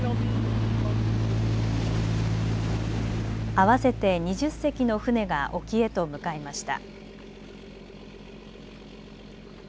合わせて２０隻の船が沖へと向かいました。